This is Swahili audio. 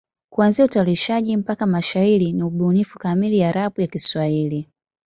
Kuanzia utayarishaji mpaka mashairi ni ubunifu kamili ya rap ya Kiswahili.